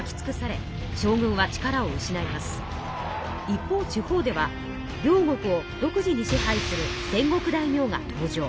一方地方では領国を独自に支配する戦国大名が登場。